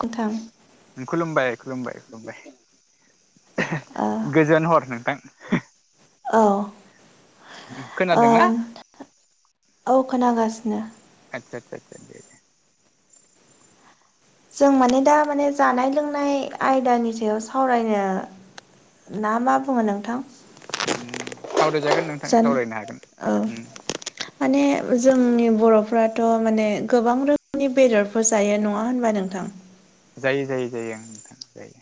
नोंथां खुलुमबाय खुलुमबाय खुलुमबाय ओ गोजोन हर नोंथां खोनादोंना औ औ खोनागासिनो आदसा आतसा आतसा दे दे जों माने दा माने जानाय लोंनाय आयदानि सायाव सावरायनो ना मा बुङो नोंथां उ सावरायजागोन नोंथां जान सावरायनो हागोन औ माने जोंनि बर'फ्राथ' माने गोबां रोखोमनि बेदरफोर जायो नङा होनबा नोंथां जायो जायो जायो ओं नोंथां जायो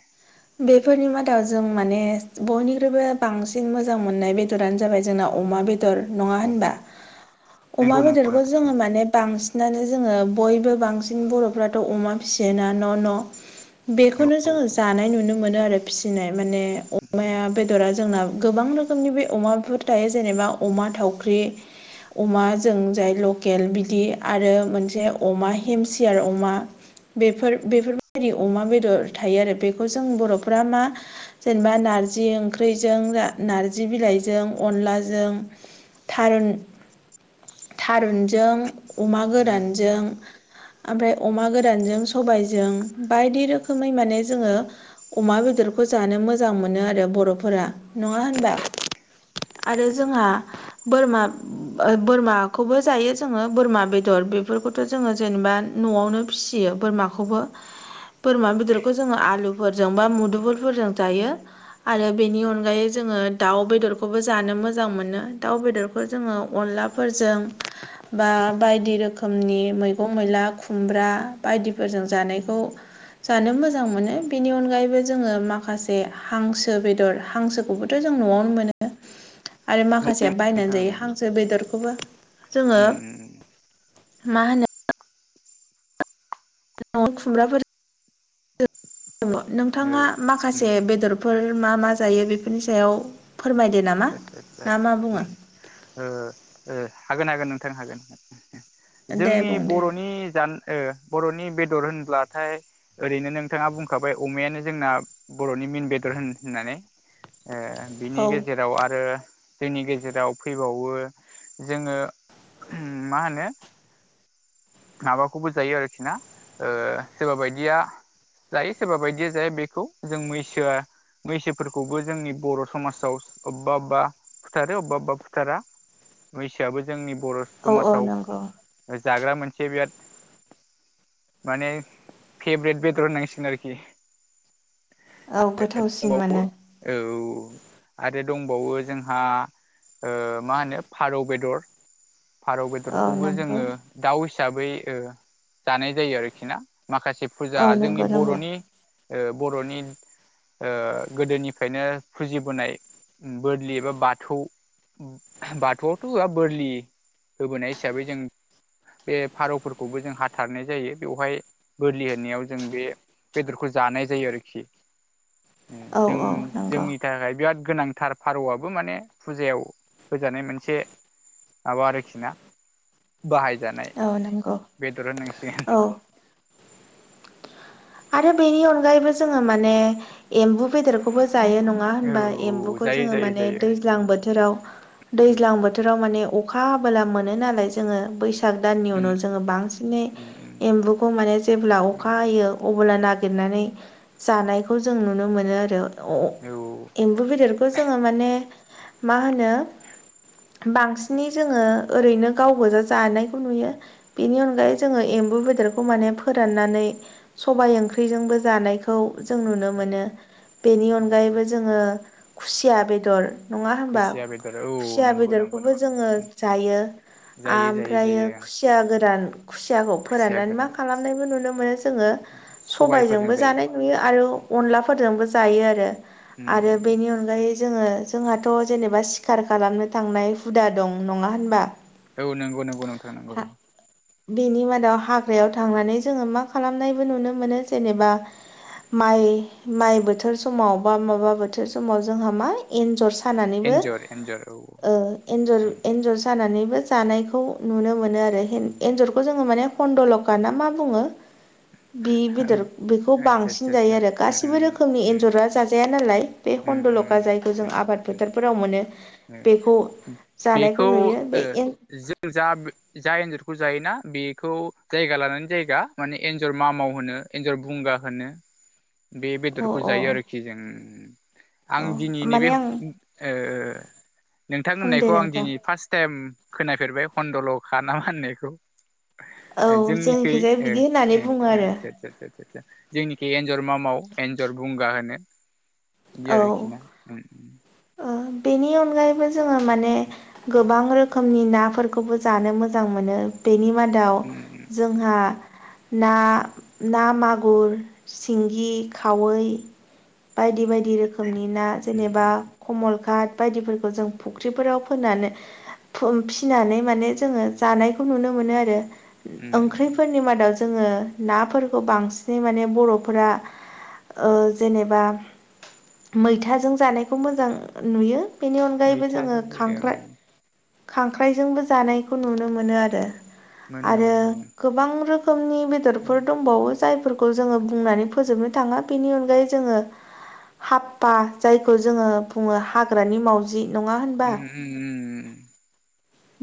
बेफोरनि मादाव जों माने बयनिख्रुइबो बांसिन मोजां मोननाय बेदरानो जाबाय जोंना अमा बेदर बेदर नङा अ होनबा अमा नंगौ नंगौ बेदरखौ नोंथां जोङो माने बांसिनानो जोङो बयबो बांसिन बर'फ्राथ' अमा फिसियोना न' न' औ बेखौनो जोङो नोंथां जानाय नुनो मोनो आरो फिसिनाय माने अमाया बेदरा जोंना गोबां रोखोमनि बे अमा बेफोर थायो जेनेबा अमा थावख्रि अमा जों जाय लकेल बिदि आरो मोनसे अमा हेमसि आरो अमा बेफोर बेफोरबायदि अमा बेदर थायो आरो बेखौ जों बर'फ्रा मा जेनेबा नारजि ओंख्रिजों नार्जि बिलाइजों अनलाजों। थारुन थारुनजों अमा गोरानजों ओमफ्राय अमा गोरानजों सबायजों बायदि रोखोमै माने जोङो अमा बेदरखौ जानो मोजां मोनो आरो बर'फोरा नङा होनबा आरो जोंहा बोरमा बोरमाखौबो जायो जोङो बोरमा बेदर बेफोरखौ। जोंङो जेनेबा न'आवनो फिसियो बोरमाखौबो बोरमा बेदरखौ जोङो आलु फोरजों बा मुदुबुलफोरजों जायो। आरो बेनि अनगायै जोङो दाउ बेदरखौबो जानो मोजां मोनो दाउ बेदरखौ जोङो अनला फोरजों। बा बायदि रोखोमनि मैगं मैला खुमब्रा बायदिफोरजों जानायखौ। जानो मोजां मोनो। बेनि अनगायैबो जोङो माखासे हांसो बेदर हांसोखौबोथ' जों न'आवनो मोनो। आरो माखासेया बायनानै जायो हांसो बेदरखौबो जोङो मा होनो द खुमब्राफोर दङ औ नोंथाङा माखासे आदसा बेदरफोर मा मा जायो बेफोरनि सायाव फोरमायदो नामा आदसा आदसा ना मा बुङो हागोन हागोन नोंथां हागोन दे जोंनि बुं दे बर'नि ज बर'नि बेदर होनब्लाथाय। ओरैनो नोंथाङा बुंखाबाय अमायानो जोंना बर'नि मन बेदर होन होननानै। औ बिनि गेजेराव आरो आरो जोंनि गेजेराव फैबावो जोङो मा होनो माबाखौबो जायो आरोखि ना सोरबा बायदिया जायो सोरबा बायदिया जाया बेखौ जों मैसोआ बैसोफोरखौबो जोंनि बर' समाजाव अबेबा अबेबा फुथारो अबेबा अबेबा फुथारा बैसोआबो जोंनि बर' औ औ समाजाव नंगौ जाग्रा मोनसे बिराद माने फेभरेट बेदर होनांसिगोन आरोखि। औ आरो गोथावसिन दंबावो मोनो औ आरो दंबावो जोंहा मा होनो फारौ बेदर। फारौ औ बेदरखौबो नंगौ जोङो दाउ हिसाबै जानाय जायो आरोखि ना माखासे औ फुजा नंगौ जोंनि नंगौ बर'नि बर'नि‌। गोदोनिफ्रायनो फुजिबोनाय बोोरलि एबा बाथौ बाथौआवथ' बोरलि होबोनाय हिसाबै जों बे फारौफोरखौबो जों हाथारनाय जायो बेवहाय बोलि होनायाव जों बे बेदरखौ जानाय जायो आरोखि औ जों औ नंगौ जोंनि थाखाय बिराद गोनांथार फारौआबो माने फुजायाव होजानाय मोनसे माबा आरोखि न बाहायजानाय औ नंगौ बेदर होननांसिगोन औ आरो बेनि अनगायैबो जोङो माने एम्बु बेदर एखौबो जायो नङा औ होनबा एम्बुखौ जायो जोङो जायो माने जायो दैज्लां बोथोराव। दैज्लां बोथोराव माने अखा हाबोला मोनो नालाय जोङो बैसाग बैसाग दाननि उम उनाव जोङो बांसिनै उम एम्बुखौ माने जेब्ला उम अखा हायो अब्ला नागिरनानै जानायखौ जों नुनो मोनो आरो औ एम्बु बेदरखौ जोङो माने मा होनो बांसिनै जोङो ओरैनो गाव गोजा जानायखौ नुयो बेनि अनगायै जोङो एम्बु बेदरखौ माने फोराननानै सबायाइ ओंख्रिजोंबो जानायखौ जों नुनो मोनो बेनि अनगायैबो जोङो खुसिया बेदर नङा होनबा खुसिया बेदर औ खुसिया नंगौ नंगौ बेदरखौबो नंगौ जोङो जायो। जायो जायो ओमफ्रायो जायो खुसिया गोरान खुसियाखौ खुसिया फोराननानै मा गोरान खालामनायबो नुनो मोनो जोङो सबायफोरजों सबायजोंबो जायो जानाय नुयो आरो अनलाफोरजोंबो जायो आरो उम आरो बेनि अनगायै जोङो जोंहाथ' जेनेबा सिखार खालामनो थांनाय हुदा दं नङा होनबा? औ नंगौ नंगौ नोंथां नंगौ बेनि मादाव हाग्रायाव थांनानै जोङो मा खालामनायबो नुनो मोनो जेनेबा माइ माइ बोथोर समाव बा माबा बोथोर समाव जोंहा माइ एन्जर सानानैबो एन्जर एन्जर औ औ ओ एनजर उम जानानैबो जानायखौ नुनो मोनो आरो एन्जरखौ जोङो माने खनन्दलक गााना मा बुङो? बे बेदर बेखौ आदसा बांसिन आदसा जायो आदसा आरो गासिबो रोखोमनि उम एन्जरा जाजाया नालाय। बे उम हन्दलक जायखौ जों उम आबाद उम फोथारफोराव मोनो। बेखौ जानायखौ बेखौ नुयो ओ बे एन जों जा जा एन्जरखौ जायोना बेखौ जायगा लानानै जायगा माने एन्जर मामाव होनो एन्जर बुंगा होनो। बे अ बेदरखौ जायो आरोखि जों। आं अ दिनै नैबे माने ओ आं बुंदो नोंथांमोननायखौ आं नोंथां दिनै फार्स्ट टाइम खोनाफेरबाय हन्दल'खा नाामा होननायखौ। औ जोंनिखै जोंनिखिजाय आ बिदि होननानै बुङो आरो आ आ जोंनिखि एन्जर मा मावो एन्जर बुंगा होनो बिदि औ आरोखि ना। ओम ओ बेनि अनगायैबो जोङो माने गोबां रो रोखोमनि नाफोरखौबो जानो मोजां मोनो बेनि मादाव उम जोंहा ना ना मागुर सिंगि खावै बायदि बायदि रोखोमनि ना उम जेनेबा उम कमलघाट बायदिफोरखौ जों फुख्रिफोराव फोनानै फिसिनानै माने जोङो जानायखौ नुनो मोनो आरो उम ओंख्रिफोरनि मादाव जोङो नाफोरखौ बांसिनै माने बर'फोरा ओ जेनेबा मैथाजों जानायखौ मोजां नुयो। बेनि अनगायैबो जोङो मैथाजों जायो खांख्राइ ओं खांख्राइजोंबो जानायखौ नुनो मोनो आरो। मोनो आरो मोनो मोनो गोबां रोखोमनि बेदरफोर उम दंबावो। जायफोरखौ जोङो बुंनानै फोजोबनो थाङा बेनि अनगायै जोङो हापा जायखौ जोङो बुङो हाग्रानि मावजि। नङा होन उम उम उम उम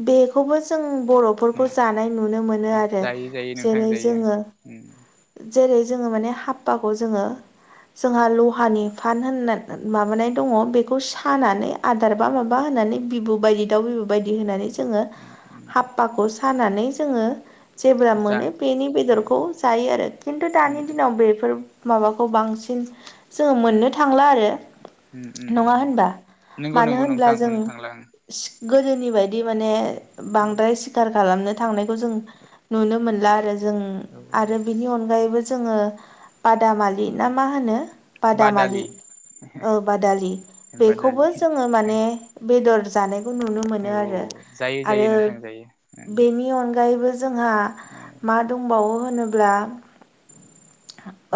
बेखौबो जों बर'फोरखौ उम जानाय नुनो मोनो उम आरो। जायो जायो नोंथां जेरै जायो जोङो ओं जेरै जोङो माने हाबपाखौ जोङो जोंहा लहानि फान होन माबानाय दङ बे खौ सानानै आदार बा माबा होनानै बिबु बायदि दाउ बिबु बायदि होनानै जोङो उम उम हाफ्फाखौ सानानै जोङो जेब्ला उम जान मोनो बेनि उम बेदरखौ जायो आरो खिन्थु उम दानि दिनाव बेफोर माबाखौ बांसिन जोङो मोननो थांला आरो। उम उम नङा उम होनबा नंगौ मानो नंगौ होनब्ला नोंथां जों होननो थांला आं गोदोनि बायदि माने बांद्राय सिखार खालामनो थांनायखौ जों नुनो मोनला आरो जों औ आरो बेनि अनगायैबो जोङो बादामालि ना मा होनो बादालि बादामालि औ बादालि। बेखौबो बादालि जोङो माने बेदर जाना खौ नुनो मोनो आरो औ जायो जायो आरो नोंथां बेनि अनगायैबो जोंहा उम मा दंबावो होनोब्ला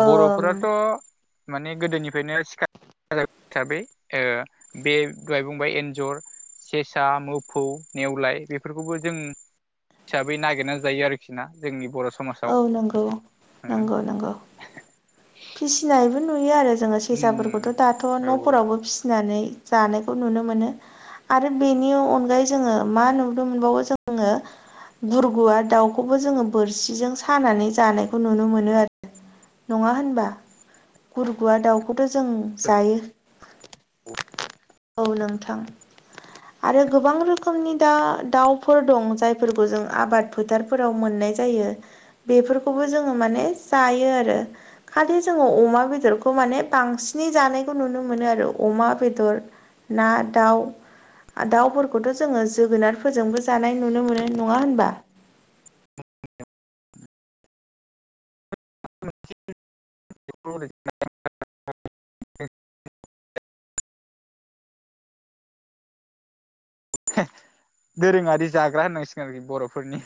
ओम बर'फोराथ' माने गोदोनिफ्रायनो सिखार हिसाबै ओ बे दहाय बुंबाय एन्जर सेसा मोफौ नेवलाय बेफोरखौबो जों हिसाबै नागिरनानै जायो आरोखि ना जोंनि बर' समाजाव औ नंगौ औ नंगौ नंगौ। फिसिनायबो नुयो आरो जोङो सेसाफोरखौथ' दाथ' औ न'फोरावबो फिसिनानै जानायखौ नुनो मोनो। आरो बेनि अनगायै जोङो मा नुनो मोनबावो जोङो बुरगुआ दाउखौबो जोङो बोरसिजों सानानै जानायखौ नुनो मोनो आरो नङा होनबा गुरगुवा दाउखौथ' जों जायो। अ। औ नोंथां। [inaudible] आरो गोबां रोखोमनि दा दाउफोर दं जायफोरखौ जों आबाद फोथारफोराव मोननाय जायो। बेफोरखौबो जोङो माने जायो आरो खालि जोङो अमा बेदरखौ माने बांसिनै जानायखौ नुनो मोनो आरो अमा बेदर ना दाउ दाउफोरखौथ' जोङो जोगोनारफोरजोंबो जानाय नुनो मोनो नङा होनबा [unintelligible] दोरोङारि जाग्रा होननांसिगोन आरोखि बर'फोरनि